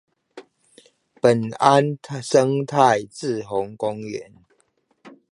本安生態滯洪公園